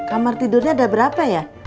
kamar tidurnya ada berapa ya